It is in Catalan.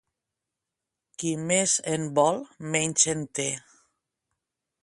Qui més en vol, menys en té.